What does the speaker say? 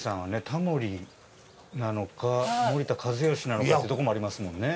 タモリなのか森田一義なのかってとこもありますもんね。